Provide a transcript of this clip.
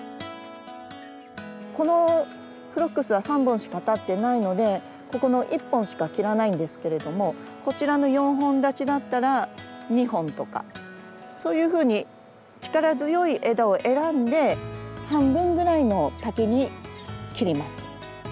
このフロックスは３本しか立ってないのでここの１本しか切らないんですけれどもこちらの４本立ちだったら２本とかそういうふうに力強い枝を選んで半分ぐらいの丈に切ります。